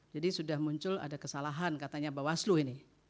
jadi sudah muncul ada kesalahan katanya bawaslu ini